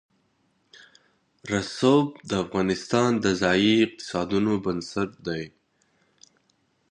رسوب د افغانستان د ځایي اقتصادونو بنسټ دی.